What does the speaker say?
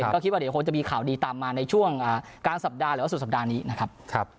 ก็คิดว่าเดี๋ยวคงจะมีข่าวดีตามมาในช่วงกลางสัปดาห์หรือว่าสุดสัปดาห์นี้นะครับ